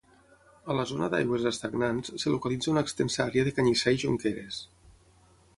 A la zona d'aigües estagnants es localitza una extensa àrea de canyissar i jonqueres.